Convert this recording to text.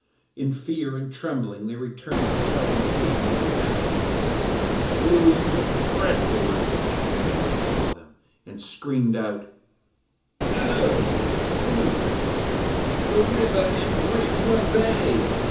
In fear and trembling they returned to tell the Magician what had happened. He flew into a dreadful rage when he saw them, and screamed out, 'Oh, you fools! the river and bridge were they!